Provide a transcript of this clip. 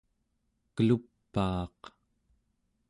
kelup'aaq